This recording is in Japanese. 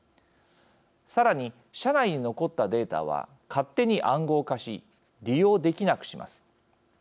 さらに、社内に残ったデータは勝手に暗号化し利用できなくします。